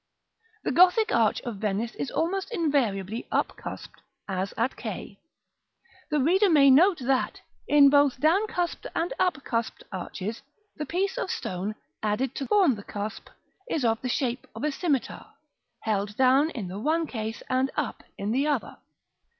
The Gothic arch of Venice is almost invariably up cusped, as at k. The reader may note that, in both down cusped and up cusped arches, the piece of stone, added to form the cusp, is of the shape of a scymitar, held down in the one case and up in the other.